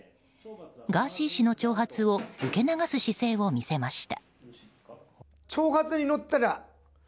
ガーシー氏の挑発を受け流す姿勢を見せました。